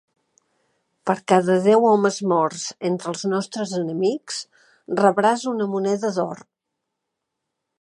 Per cada deu homes morts entre els nostres enemics, rebràs una moneda d'or.